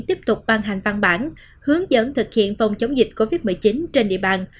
tiếp tục ban hành văn bản hướng dẫn thực hiện phòng chống dịch covid một mươi chín trên địa bàn